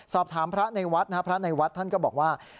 สอบถามพระในวัดนะครับพระในวัดท่านก็บอกว่า